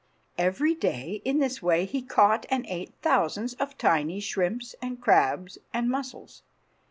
Every day, in this way, he caught and ate thousands of tiny shrimps and crabs and mussels.